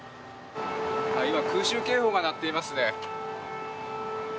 今、空襲警報が鳴っていますね。